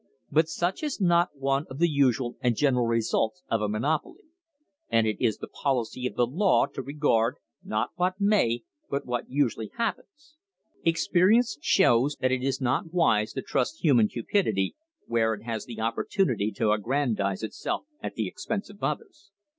But such is not one of the usual or general results of a monopoly; and it is the policy of the law to regard, not what may, but what usu ally happens. Experience shows that it is not wise to trust human cupidity where it has the opportunity to aggrandise itself at the expense of others.